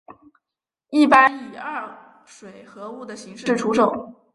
一般以二水合物的形式出售。